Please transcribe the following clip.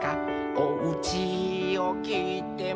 「おうちをきいても」